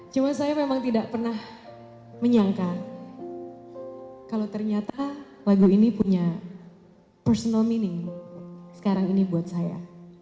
cuma saya memang tidak pernah menyangka kalau ternyata lagu ini punya personal meaning sekarang ini buat saya